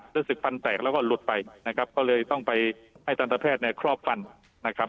รู้สึกฟันแตกแล้วก็หลุดไปนะครับก็เลยต้องไปให้ทันตแพทย์เนี่ยครอบฟันนะครับ